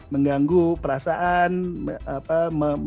mengganggu perasaan apa namanya membuat jadi hubungan jadi tidak enak